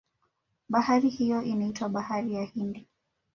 bahari hiyo inaitwa bahari ya hindi